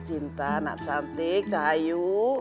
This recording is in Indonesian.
cinta anak cantik sayu